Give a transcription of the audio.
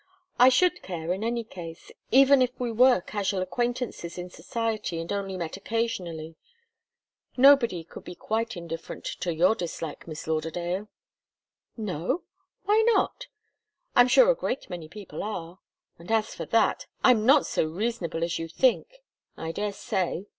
I should care, in any case even if we were casual acquaintances in society, and only met occasionally. Nobody could be quite indifferent to your dislike, Miss Lauderdale." "No? Why not? I'm sure a great many people are. And as for that, I'm not so reasonable as you think, I daresay.